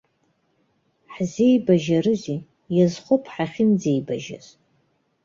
Ҳзеибажьарызеи, иазхоуп ҳахьынӡеибажьаз!